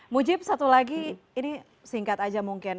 mujib satu lagi ini singkat aja mungkin